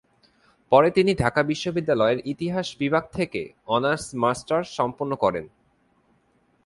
পরে তিনি ঢাকা বিশ্ববিদ্যালয়ের ইতিহাস বিভাগ থেকে অনার্স-মাস্টার্স সম্পন্ন করেন।